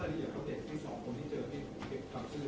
การเป็นแบรนด์ตามที่เกิดเห็นก่อนแถวที่ที่ศพเห็นเสร็จเส้นกับ๓เรื่องกันแล้ว